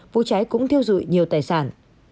vụ cháy cũng thiêu dụi nhiều tài sản